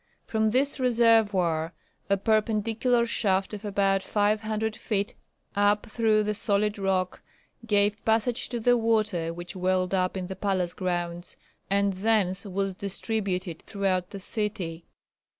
From this reservoir a perpendicular shaft of about 500 feet up through the solid rock gave passage to the water which welled up in the palace grounds, and thence was distributed throughout the city.